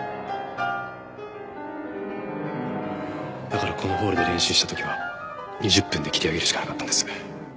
だからこのホールで練習した時は２０分で切り上げるしかなかったんです。